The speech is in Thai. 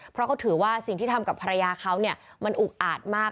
เพราะเขาถือว่าสิ่งที่ทำกับภรรยาเขาเนี่ยมันอุกอาดมาก